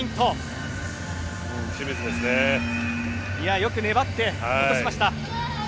よく粘って落としました。